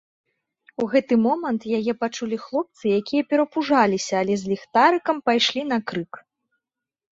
У гэты момант яе пачулі хлопцы, якія перапужаліся, але з ліхтарыкам пайшлі на крык.